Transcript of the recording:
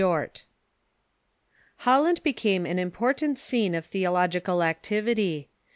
] Holland became an important scene of theological activity.